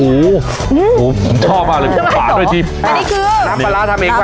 โอ้โหชอบมากเลยปลาด้วยจิ๊บอันนี้คือน้ำปลาร้าทำเองกว่า